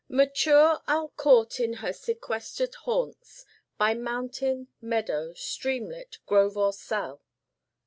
"Mature I'll court in her sequester'd haunts, By mountain, meadow, streamlet grove or cell."